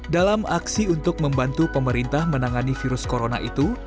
dalam aksi untuk membantu pemerintah menangani virus corona itu